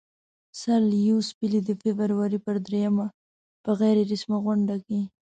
سر لیویس پیلي د فبرورۍ پر دریمه په غیر رسمي غونډه کې.